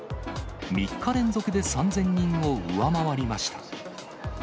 ３日連続で３０００人を上回りました。